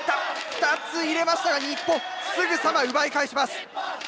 ２つ入れましたが日本すぐさま奪い返します。